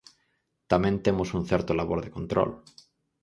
Tamén temos un certo labor de control.